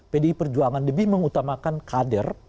pdi perjuangan lebih mengutamakan kader